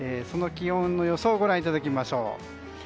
その気温の予想をご覧いただきましょう。